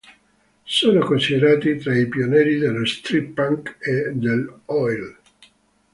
Sono considerati tra i pionieri dello street punk e dell'Oi!.